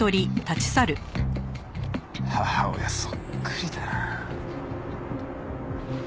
母親そっくりだな。